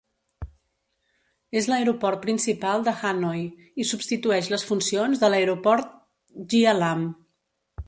És l'aeroport principal de Hanoi i substitueix les funcions de l'Aeroport Gia Lam.